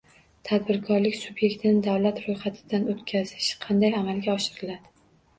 Tadbirkorlik sub’ektini davlat ro’yxatidan o’tkazish qanday amalga oshiriladi?